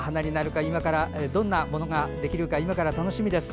どんなものができるか今から楽しみです。